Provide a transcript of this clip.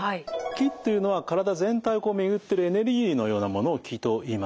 「気」っていうのは体全体を巡ってるエネルギーのようなものを気といいます。